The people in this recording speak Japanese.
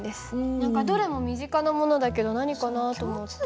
何かどれも身近なものだけど何かなと思って。